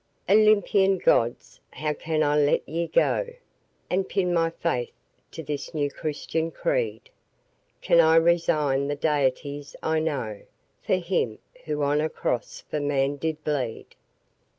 Olympian Gods! how can I let ye go And pin my faith to this new Christian creed? Can I resign the deities I know For him who on a cross for man did bleed?